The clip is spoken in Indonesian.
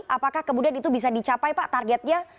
apakah kemudian itu bisa dicapai pak targetnya